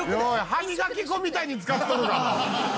「歯磨き粉みたいに使っとるがな」